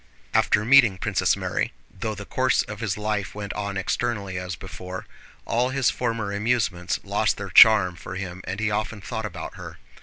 After meeting Princess Mary, though the course of his life went on externally as before, all his former amusements lost their charm for him and he often thought about her.